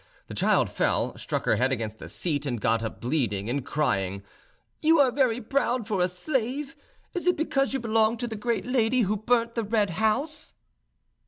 The child fell, struck her head against a seat, and got up bleeding and crying, "You are very proud for a slave. Is it because you belong to the great lady who burnt the Red House?"